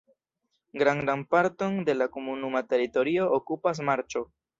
Grandan parton de la komunuma teritorio okupas marĉo.